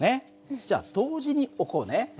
じゃあ同時に置こうね。